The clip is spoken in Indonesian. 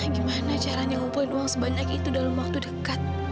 gimana caranya ngumpulin uang sebanyak itu dalam waktu dekat